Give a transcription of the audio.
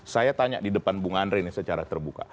saya tanya di depan bung andre ini secara terbuka